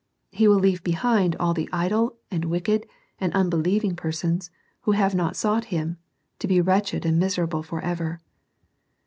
He will leave behind all the idle, and wicked, and unbelieving persons, who have not sought Him, to be wretched and miserable for ever.